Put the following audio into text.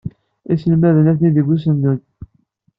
Iselmaden atni deg usunded.